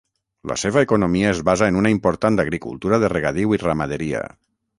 La seva economia es basa en una important agricultura de regadiu i ramaderia.